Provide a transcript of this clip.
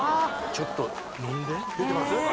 ちょっと飲んで出てます？